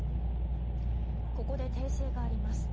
ここで訂正があります。